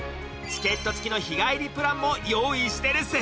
チケット付きの日帰りプランも用意してるッス